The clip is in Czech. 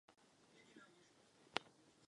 Teče převážně směrem severovýchodním.